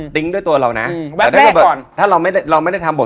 สวดตาม